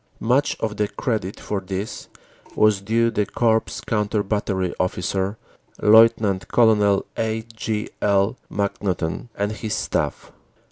Much of the credit for this was due the Corps Counter Battery Officer, Lt. Col. A. G. L. McNaughton, and his staff.